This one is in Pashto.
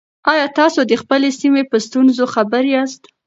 آیا تاسو د خپلې سیمې په ستونزو خبر یاست؟